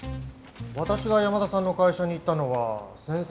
私が山田さんの会社に行ったのは先々週の月曜。